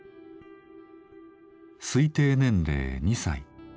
推定年齢２歳。